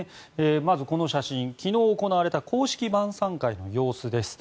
まずこの写真、昨日行われた公式晩さん会の様子です。